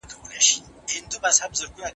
ټولنيز علوم د انسان له چلند سره تړاو لري.